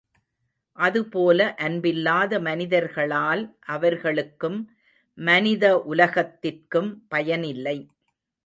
அதுபோல அன்பில்லாத மனிதர்களால் அவர்களுக்கும் மனித உலகத்திற்கும் பயனில்லை.